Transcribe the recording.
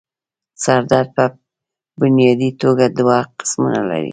سر درد پۀ بنيادي توګه دوه قسمونه لري